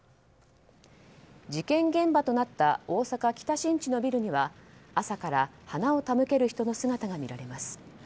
事件現場となった大阪・北新地のビルには朝から花を手向ける人の姿がみられます。